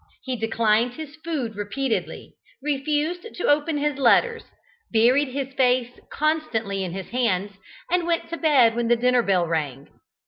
He declined his food repeatedly, refused to open his letters, buried his face constantly in his hands, and went to bed when the dinner bell rang.